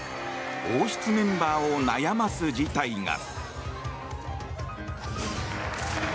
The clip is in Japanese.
王室メンバーを悩ます事態が。